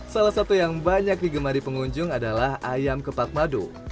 salah satu yang banyak digemari pengunjung adalah ayam kepak madu